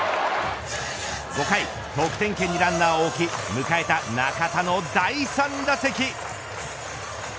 ５回、得点圏にランナーを置き迎えた中田の第３打席。